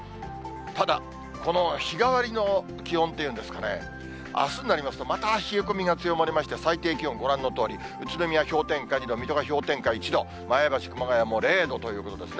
ただ、この日替わりの気温っていうんですかね、あすになりますと、また冷え込みが強まりまして、最低気温、ご覧のとおり、宇都宮氷点下２度、水戸が氷点下１度、前橋、熊谷も０度ということですね。